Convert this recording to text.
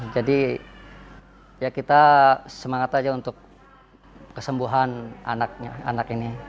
jadi kita semangat aja untuk kesembuhan anak ini